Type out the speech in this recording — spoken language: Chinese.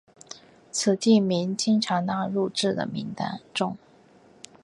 此地名经常纳入至的名单中。